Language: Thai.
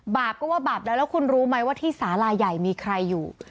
บาปก็ว่าบาปแล้วแล้วคุณรู้ไหมว่าที่สาลาใหญ่มีใครอยู่